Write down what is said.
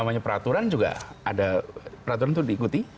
namanya peraturan juga ada peraturan itu diikuti